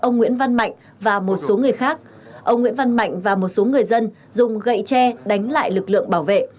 ông nguyễn văn mạnh và một số người khác ông nguyễn văn mạnh và một số người dân dùng gậy tre đánh lại lực lượng bảo vệ